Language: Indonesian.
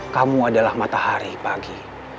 kamu adalah matahari pagi